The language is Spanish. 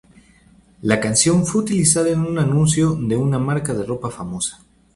La canción fue utilizada en un anuncio de una marca de ropa famosa.